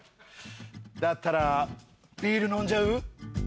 だったらビール飲んじゃう？